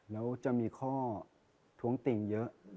แล้วจะมีข้อท้วงติงเยอะ